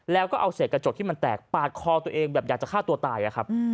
แล้วก็เอาเศษกระจกที่มันแตกปาดคอตัวเองแบบอยากจะฆ่าตัวตายอะครับ